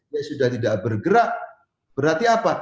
dia sudah tidak bergerak berarti apa